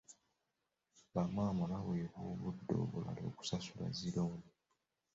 Bamaama baweebwa obudde obulala okusasula zi looni.